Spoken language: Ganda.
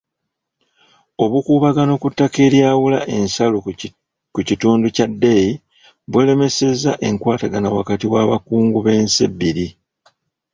Obukuubagano ku ttaka eryawula ensalo mu kitundu kya Dei bulemesezza enkwatagana wakati w'abakungu b'ensi ebbiri.